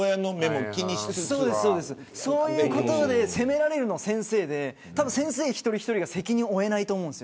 そういうことで責められるの先生で先生一人一人が責任を負えないと思うんです。